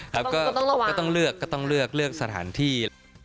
ก็ต้องเลือกเลือกสถานที่